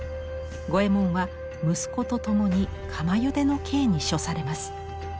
五右衛門は息子と共に釜ゆでの刑に処されます。